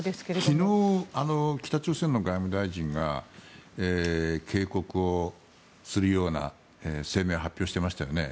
昨日、北朝鮮の外務大臣が警告をするような声明を発表していましたよね。